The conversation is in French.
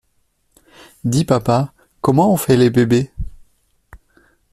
Dis papa, comment on fait les bébés?